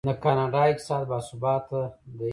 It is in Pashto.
د کاناډا اقتصاد باثباته دی.